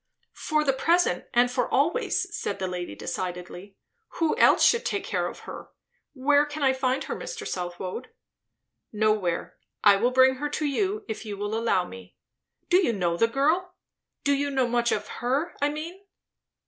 "For the present and for always," said the lady decidedly. "Who else should take care of her? Where can I find her, Mr. Southwode?" "Nowhere. I will bring her to you, if you will allow me." "Do you know the girl? do you know much of her, I mean?"